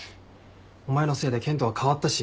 お前のせいで健人は変わったし。